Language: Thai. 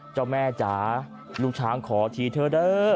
เจ้าแม่จ๋าลูกช้างขอทีเถอะเด้อ